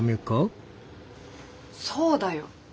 そうだよ。